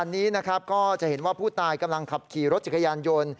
อ๋อนี่มันเป็นแบบนี้อีกแล้ว